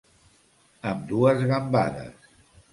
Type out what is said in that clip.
Amb dues gambades.